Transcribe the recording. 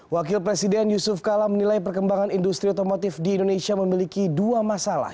wakil presiden yusuf kala menilai perkembangan industri otomotif di indonesia memiliki dua masalah